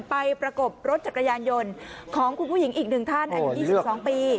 ประกบรถจักรยานยนต์ของคุณผู้หญิงอีกหนึ่งท่านอายุ๒๒ปี